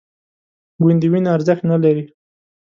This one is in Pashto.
ګوندې وینه ارزښت نه لري